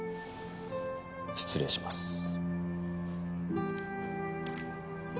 失礼します。